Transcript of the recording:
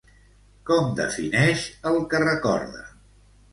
Com defineix el que recorda?